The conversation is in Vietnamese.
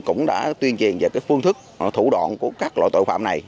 cũng đã tuyên truyền về phương thức thủ đoạn của các loại tội phạm này